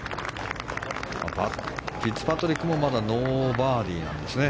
フィッツパトリックもまだノーバーディーなんですね。